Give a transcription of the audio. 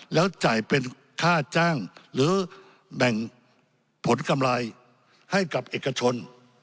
แล้วจ่ายเป็นค่าจ้างหรือแบ่งผลกำไรให้กับเอกชน